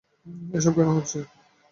এ সব কেনো হচ্ছে?